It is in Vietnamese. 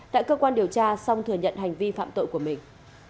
tại cơ quan điều tra song thừa nhận hành vi phạm tội của mình